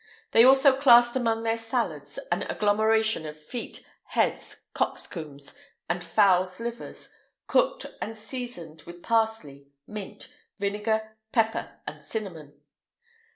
They also classed among their salads an agglomeration of feet, heads, cocks' combs, and fowls' livers, cooked, and seasoned with parsley, mint, vinegar, pepper, and cinnamon.